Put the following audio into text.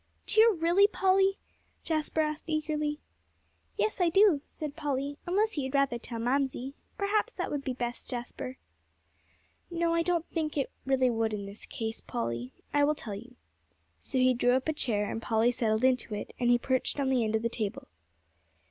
"Do you really, Polly?" Jasper asked eagerly. "Yes, I do," said Polly, "unless you had rather tell Mamsie. Perhaps that would be best, Jasper." "No, I don't really think it would in this case, Polly. I will tell you." So he drew up a chair, and Polly settled into it, and he perched on the end of the table.